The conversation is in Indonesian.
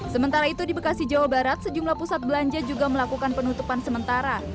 sementara itu di bekasi jawa barat sejumlah pusat belanja juga melakukan penutupan sementara